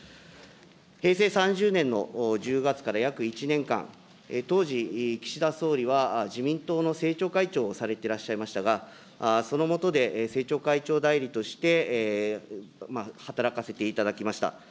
平成３０年の１０月から約１年間、当時、岸田総理は自民党の政調会長をされてらっしゃいましたが、その下で政調会長代理として働かせていただきました。